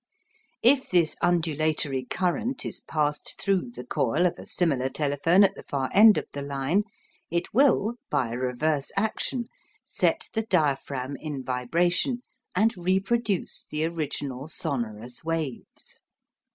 If this undulatory current is passed through the coil of a similar telephone at the far end of the line, it will, by a reverse action, set the diaphragm in vibration and reproduce the original sonorous waves.